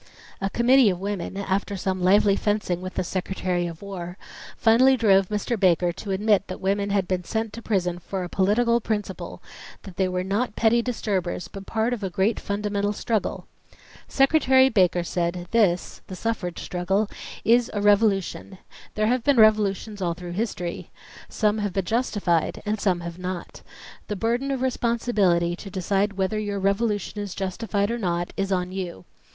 A committee of women, after some lively fencing with the Secretary of War, finally drove Mr. Baker to admit that women had been sent to prison for a political principle; that they were not petty disturbers but part of a great fundamental struggle. Secretary Baker said, "This [the suffrage struggle] is a revolution. There have been revolutions all through his tory. Some have been justified and some have not. The burden of responsibility to decide whether your revolution is justified or not is on you.